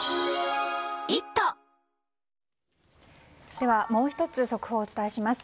ではもう１つ速報をお伝えします。